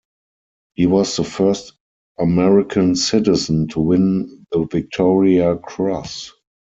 He was the first American citizen to win the Victoria Cross.